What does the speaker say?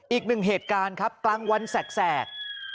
อีกหนึ่งเหตุการณ์ครับกลางวันแสก